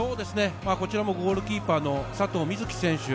こちらもゴールキーパーの佐藤瑞起選手。